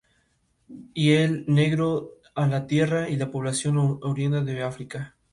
Está situada en la Calle de Navarra, en segunda línea de mar.